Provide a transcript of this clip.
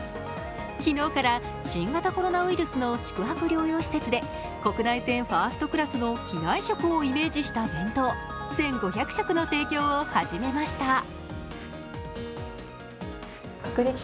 昨日から新型コロナウイルスの宿泊療養施設で国内線ファーストクラスの機内食をイメージした弁当、１５００食の提供を始めました。